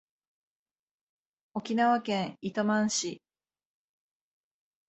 沖縄県糸満市